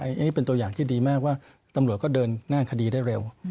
อันนี้เป็นตัวอย่างที่ดีมากว่าตำรวจก็เดินหน้าคดีได้เร็ว